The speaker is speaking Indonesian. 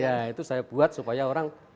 ya itu saya buat supaya orang